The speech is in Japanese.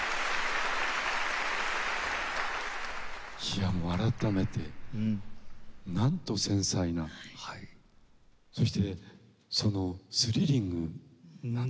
いやあもう改めてなんと繊細なそしてスリリングなんですね。